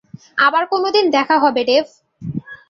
আবার কোনদিন দেখা হবে, ডেভ।